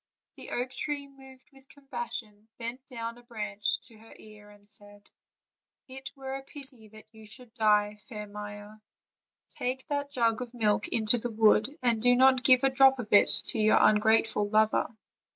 The oak tree, moved with compassion, bent down a branch to her ear and said: "It were a pity that you should die, fair Maia; take that jug of milk into the wood, and do not give a drop of it to your ungrateful lover."